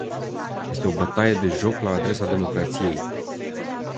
Este o bătaie de joc la adresa democrației!